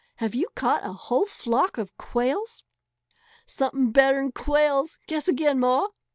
"Have you caught a whole flock of quails?" "Something better'n quails! Guess again, Ma!"